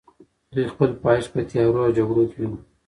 دوی خپل پایښت په تیارو او جګړو کې ویني.